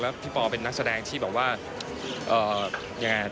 แล้วพี่ปเป็นนักแสดงที่บอกว่าเอ่อยังไง